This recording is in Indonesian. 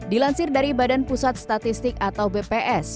dilansir dari badan pusat statistik atau bps